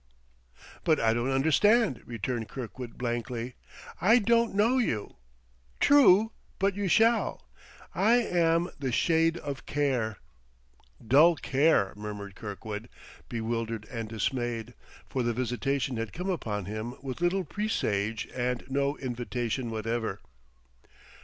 "But I don't understand," returned Kirkwood blankly. "I don't know you " "True! But you shall: I am the Shade of Care " "Dull Care!" murmured Kirkwood, bewildered and dismayed; for the visitation had come upon him with little presage and no invitation whatever.